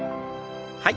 はい。